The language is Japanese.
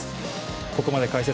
ここまで、解説